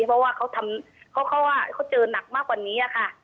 เพราะว่าเขาเจอหนักมากกว่านี้ค่ะ